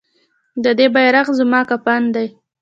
د دې بیرغ زموږ کفن دی؟